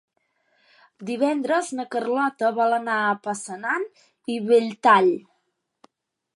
Divendres na Carlota vol anar a Passanant i Belltall.